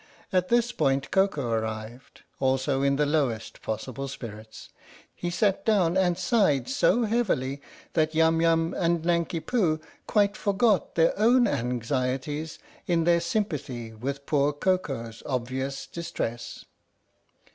At this point Koko arrived, also in the lowest possible spirits. He sat down and sighed so heavily that Yum Yum and Nanki Poo quite forgot their own anxieties in their sympathy with poor Koko's obvious distress.